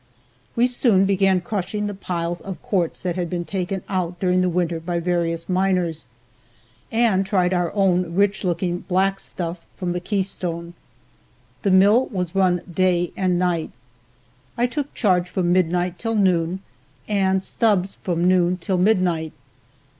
We soon began crushing the piles of quartz that had been taken out during the winter by various miners, and tried our own rich looking black stuff from the Keystone. The mill was run day and night. I took charge from midnight till noon and Stubbs from noon till midnight.